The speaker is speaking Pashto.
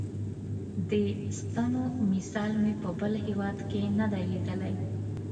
دې ستنو مثال مې په بل هېواد کې نه دی لیدلی.